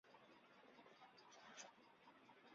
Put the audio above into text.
以色列体育是以色列民族文化的重要组成部分。